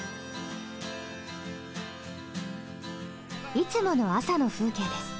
いつもの朝の風景です。